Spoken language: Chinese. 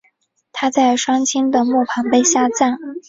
她在双亲的墓旁被下葬。